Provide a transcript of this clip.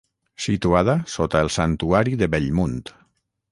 Situada sota el santuari de Bellmunt.